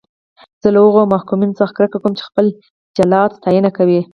زه له هغو محکومینو څخه کرکه کوم چې خپل جلاد ستاینه کوي.